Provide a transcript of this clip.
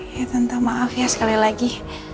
ya tante maaf ya sekali lagi